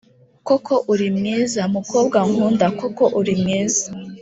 Koko uri mwiza, mukobwa nkunda, koko uri mwiza!